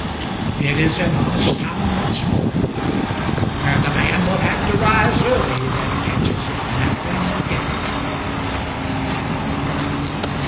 It is an honest town once more, and the man will have to rise early that catches it napping again.